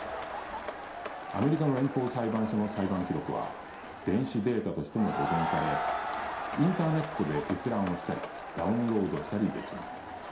アメリカの連邦裁判所の裁判記録は電子データとしても保存されインターネットで閲覧をしたりダウンロードしたりできます。